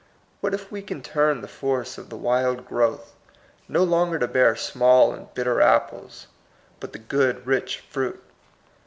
What if we can turn the force of the wild growth, no longer to bear small apd bitter apples, but the good rich fruit?